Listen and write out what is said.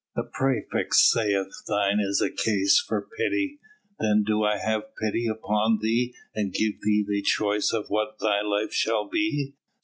The praefect saith thine is a case for pity, then do I have pity upon thee, and give thee the choice of what thy life shall be.